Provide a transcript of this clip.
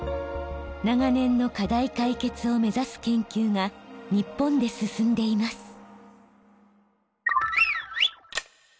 長年の課題解決を目指す研究が日本で進んでいます。